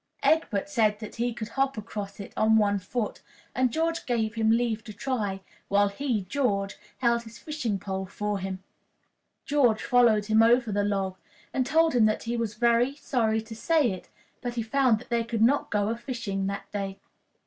Egbert said he could hop across it on one foot, and George gave him leave to try, while he, George, held his fishing pole for him. George followed him over the log, and then told him that he was very sorry to say it, but that he found that they could not go a fishing that day.